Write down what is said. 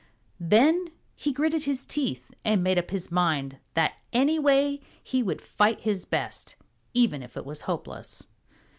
Then he gritted his teeth and made up his mind that anyway he would fight his best, even if it was hopeless.